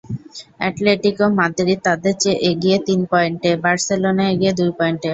Atletico Madrid তাদের চেয়ে এগিয়ে তিন পয়েন্টে, বার্সেলোনা এগিয়ে দুই পয়েন্টে।